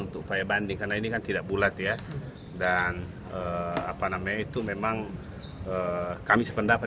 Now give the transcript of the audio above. terima kasih banding karena ini kan tidak bulat ya dan apa namanya itu memang kami sependapat